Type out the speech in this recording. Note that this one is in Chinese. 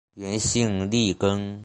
原姓粟根。